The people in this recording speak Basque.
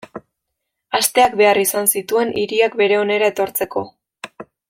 Asteak behar izan zituen hiriak bere onera etortzeko.